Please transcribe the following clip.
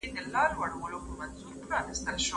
که غواړې بریالی شې، نو د دوام لاره غوره کړه.